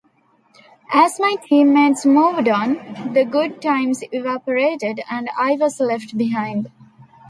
As my team-mates moved on, the good times evaporated and I was left behind.